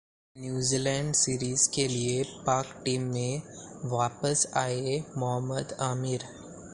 New Zealand series के लिए Pak team में वापस आए मोहम्मद आमिर